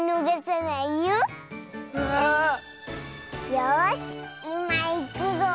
よしいまいくぞ。